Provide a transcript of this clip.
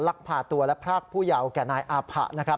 ลักพาตัวและพรากผู้เยาว์แก่นายอาผะนะครับ